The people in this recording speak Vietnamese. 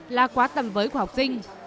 là quá tầm với của học sinh